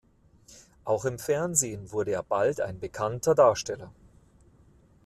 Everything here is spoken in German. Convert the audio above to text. Auch im Fernsehen wurde er bald ein bekannter Darsteller.